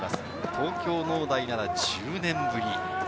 東京農大なら１０年ぶり。